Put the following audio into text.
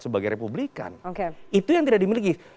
sebagai republikan itu yang tidak dimiliki